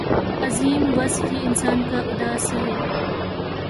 عظیم وصف ہی انسان کا اداسی ہے